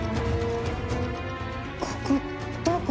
ここどこ？